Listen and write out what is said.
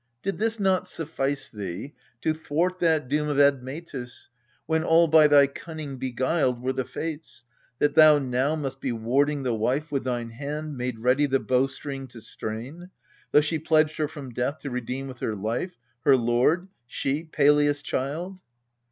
Did this not suffice thee, to thwart that doom Of Admetus, when, all by thy cunning beguiled Were the Fates, that thou now must be warding the wife With thine hand made ready the bowstring to strain, Though she pledged her from death to redeem with her life Her lord she, Pelias' child